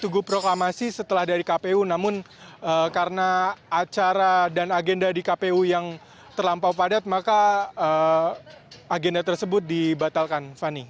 tunggu proklamasi setelah dari kpu namun karena acara dan agenda di kpu yang terlampau padat maka agenda tersebut dibatalkan fani